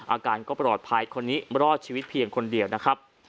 อาการก็ปลอดภัยคนนี้รอดชีวิตเพียงคนเดียวนะครับ